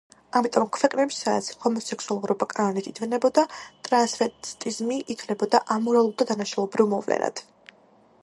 ამიტომ ქვეყნებში, სადაც ჰომოსექსუალობა კანონით იდევნებოდა, ტრანსვესტიზმი ითვლებოდა ამორალურ და დანაშაულებრივ მოვლენად.